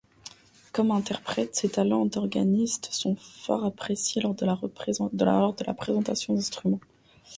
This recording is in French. Comme interprète, ses talents d’organiste sont fort appréciés lors de la présentation d’instruments.